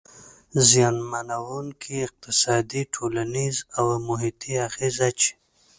زیانمنووونکي اقتصادي، ټولنیز او محیطي اغیز اچوي.